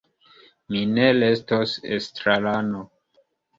Mi ne restos estrarano.